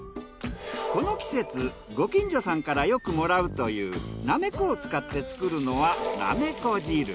この季節ご近所さんからよくもらうというなめこを使って作るのはなめこ汁。